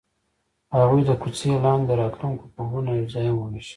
هغوی د کوڅه لاندې د راتلونکي خوبونه یوځای هم وویشل.